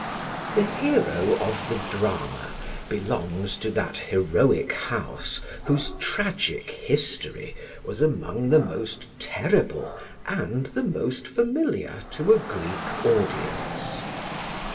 The hero of the drama belongs to that heroic house whose tragic history was among the most terrible and the most familiar to a Greek audience.